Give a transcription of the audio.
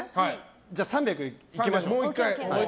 じゃあ３００いきましょう。